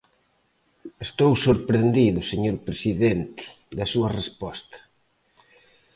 Estou sorprendido, señor presidente, da súa resposta.